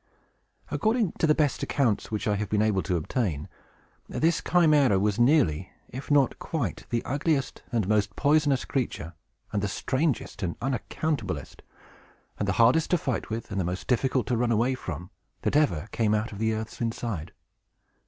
According to the best accounts which I have been able to obtain, this Chimæra was nearly, if not quite, the ugliest and most poisonous creature, and the strangest and unaccountablest, and the hardest to fight with, and the most difficult to run away from, that ever came out of the earth's inside.